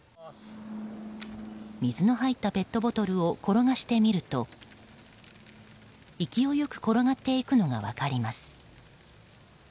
水の入ったペットボトルを転がしてみると勢いよく転がっていくのが分かります。